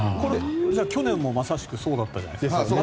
去年もまさしくそうだったじゃないですか。